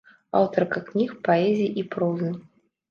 Аўтарка кніг паэзіі і прозы.